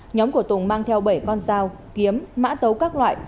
nhóm của tùng mang theo bảy con dao kiếm mã tấu các loại